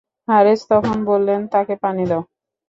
হারেস তখন বললেন, তাকে পানি দাও।